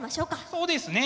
そうですね。